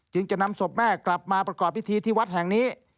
จึงจะนำศพแม่กลับมาประกอบพิธีที่วัดแห่งนี้